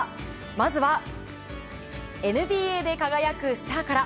まずは、ＮＢＡで輝くスターから。